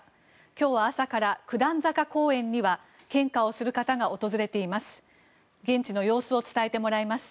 今日は朝から九段坂公園には献花をする方が訪れています。